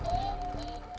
nih ini udah gampang